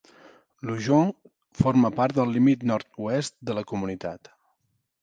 L'Aujon forma part del límit nord-oest de la comunitat.